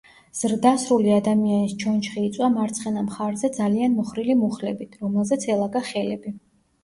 ზრდასრული ადამიანის ჩონჩხი იწვა მარცხენა მხარზე ძალიან მოხრილი მუხლებით, რომელზეც ელაგა ხელები.